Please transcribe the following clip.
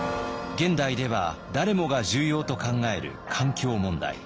現代では誰もが重要と考える環境問題。